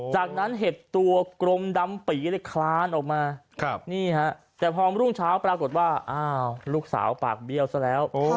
จากนั้นเห็ดตัวกรมดำปีเลยคลานออกมานี่ฮะแต่พอรุ่งเช้าปรากฏว่าอ้าวลูกสาวปากเบี้ยวซะแล้ว